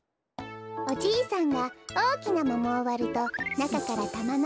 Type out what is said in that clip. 「おじいさんがおおきなももをわるとなかからたまのような」。